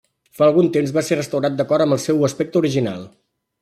Fa algun temps va ser restaurat d'acord amb el seu aspecte original.